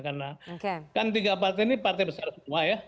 karena kan tiga partai ini partai besar semua ya